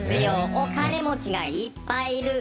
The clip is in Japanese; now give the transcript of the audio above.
お金持ちがいっぱいいる。